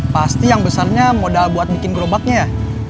pasti yang besarnya modal buat bikin gerobaknya ya